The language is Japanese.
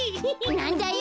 なんだよ。